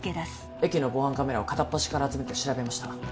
駅の防犯カメラを片っ端から集めて調べました